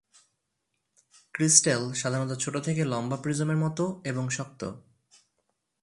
Crystal সাধারণত ছোট থেকে লম্বা প্রিজমের মতো এবং শক্ত।